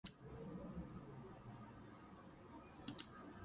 Research shows that most internet surfers are women.